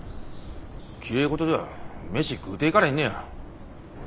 きれい事では飯食うていかれへんのや。